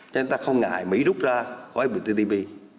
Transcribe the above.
cho nên ta không ngại mỹ rút ra khỏi tpp